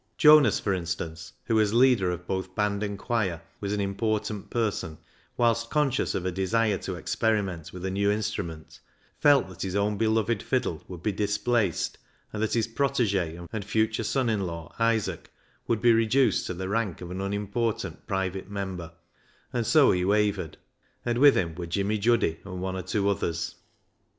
Jonas, for instance, who, as leader of both band and choir, was an important person, whilst conscious of a desire to experiment with a new instrument, felt that his own beloved fiddle would be displaced, and that his protege and future son in law, Isaac, would be reduced to the rank of an unimportant private member, and so he wavered, and with him were Jimmy Juddy and one or two others.